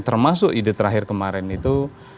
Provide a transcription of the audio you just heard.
termasuk ide terakhir kemarin itu